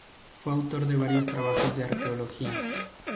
Fue autor de varios trabajos de arqueología.